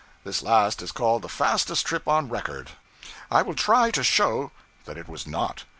This last is called the fastest trip on record. I will try to show that it was not.